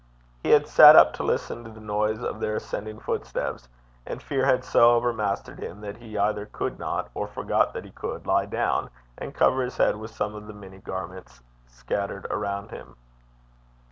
He had sat up to listen to the noise of their ascending footsteps, and fear had so overmastered him, that he either could not, or forgot that he could lie down and cover his head with some of the many garments scattered around him.